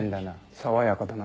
爽やかだな。